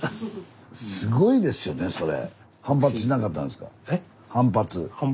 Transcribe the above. すごいですよねそれ。